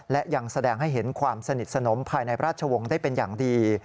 และยังแสดงให้เห็นความสนิทสนมภายในพระราชวงศ์ได้เป็นอย่างดี